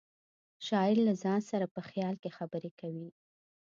شاعر له ځان سره په خیال کې خبرې کوي